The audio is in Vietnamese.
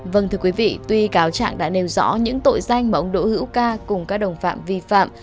vâng thưa quý vị tuy cáo trạng đã nêu rõ những tội danh mà ông đỗ hữu ca cùng các đồng phạm vi phạm